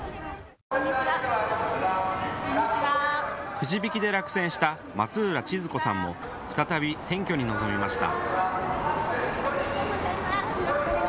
くじ引きで落選した松浦千鶴子さんも再び選挙に臨みました。